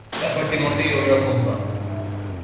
ব্যাপারটি মোটেই ঐ রকম নয়।